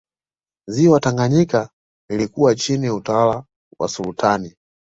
Ziwa tanganyika lilikuwa chini ya utawala wa sultani